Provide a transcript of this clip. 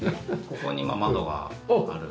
ここに窓がある。